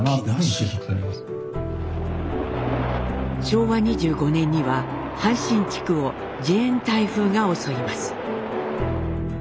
昭和２５年には阪神地区をジェーン台風が襲います。